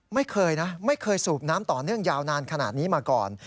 ไม่เคยนะไม่เคยสูบน้ำต่อเนื่องยาวนานขนาดนี้มาก่อน